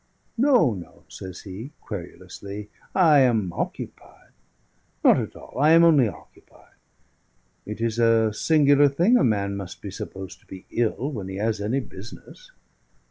"No, no," says he querulously, "I am occupied. Not at all; I am only occupied. It is a singular thing a man must be supposed to be ill when he has any business!